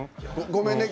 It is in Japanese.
ごめんね。